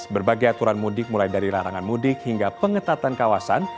berbagai aturan mudik mulai dari larangan mudik hingga pengetatan kawasan